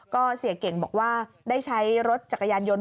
ก็เสียเก่งบอกว่าได้ใช้รถจักรยานยนต์